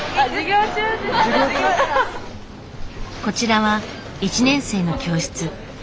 こちらは１年生の教室。